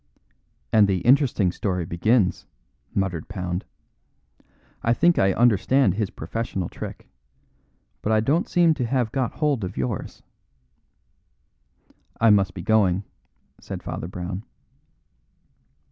"And the interesting story begins," muttered Pound. "I think I understand his professional trick. But I don't seem to have got hold of yours." "I must be going," said Father Brown.